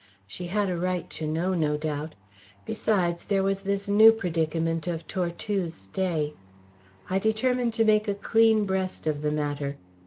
She had a right to know, no doubt. Besides there was this new predicament of Tortue's stay. I determined to make a clean breast of the matter.